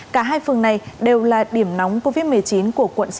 cả hai phường này đều là điểm nóng covid một mươi chín